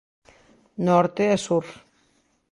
Norte e Sur.